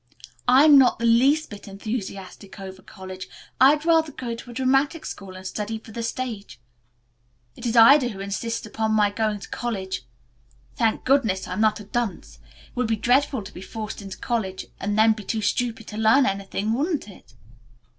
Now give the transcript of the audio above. I'm not the least little bit enthusiastic over college. I'd rather go to a dramatic school and study for the stage. It is Ida who insists upon my going to college. Thank goodness, I'm not a dunce. It would be dreadful to be forced into college and then be too stupid to learn anything, wouldn't it?"